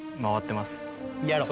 やろう。